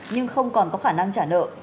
nhưng không còn có khả năng trả nợ